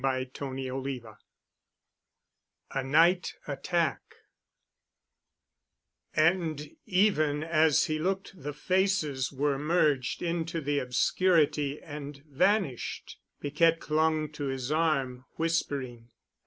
*CHAPTER XIV* *A NIGHT ATTACK* And even as he looked the faces were merged into the obscurity and vanished. Piquette clung to his arm, whispering.